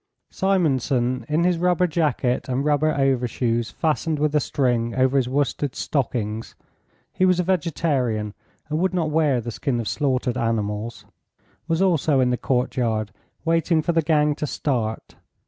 Simonson, in his rubber jacket and rubber overshoes fastened with a string over his worsted stockings (he was a vegetarian and would not wear the skin of slaughtered animals), was also in the courtyard waiting for the gang to start.